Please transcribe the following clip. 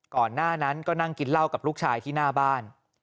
ก่อนหน้านั้นก็นั่งกินเหล้ากับลูกชายที่หน้าบ้าน